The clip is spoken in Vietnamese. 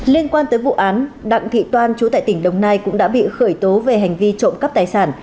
liên quan tới vụ án đặng thị toan chú tại tỉnh đồng nai cũng đã bị khởi tố về hành vi trộm cắp tài sản